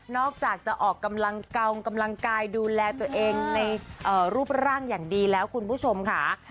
อกจากจะออกกำลังเกากำลังกายดูแลตัวเองในรูปร่างอย่างดีแล้วคุณผู้ชมค่ะ